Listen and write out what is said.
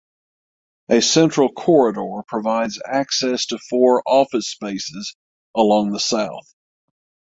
A central corridor provides access to four office spaces along the south.